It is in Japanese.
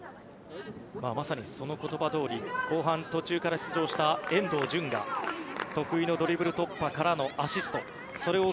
まさにその言葉どおり後半途中から出場した遠藤純が得意のドリブル突破からのアシスト。